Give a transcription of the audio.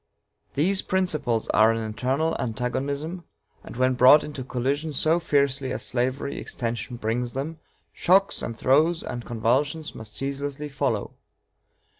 These principles are an eternal antagonism, and when brought into collision so fiercely as slavery extension brings them, shocks and throes and convulsions must ceaselessly follow.